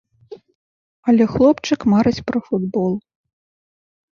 Але хлопчык марыць пра футбол.